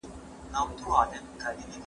که انا صبر کړی وای دا به نه پېښېدل.